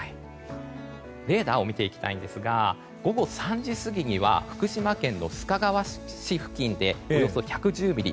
レーダーを見ていきたいんですが午後３時には福島県の須賀川市付近でおよそ１１０ミリ。